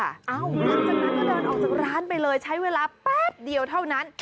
หลังจากนั้นก็เดินออกจากร้านไปเลยใช้เวลาแป๊บเดียวเท่านั้น